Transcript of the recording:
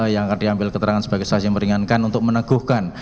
yang akan diambil keterangan sebagai saksi yang meringankan untuk meneguhkan